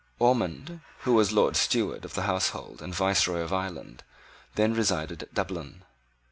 Ormond, who was Lord Steward of the Household and Viceroy of Ireland, then resided at Dublin.